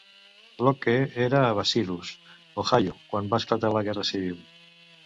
Locke era a Bucyrus, Ohio quan va esclatar la guerra civil.